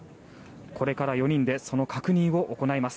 これから４人でその確認を行います。